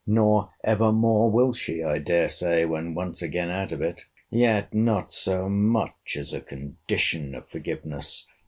Nor ever more will she, I dare say, when once again out of it! Yet not so much as a condition of forgiveness!